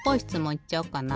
いっちゃおうかな。